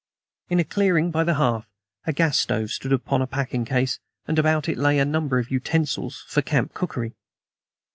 In a clearing by the hearth a gas stove stood upon a packing case, and about it lay a number of utensils for camp cookery.